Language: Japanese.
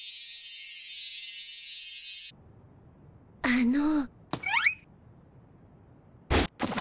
あの。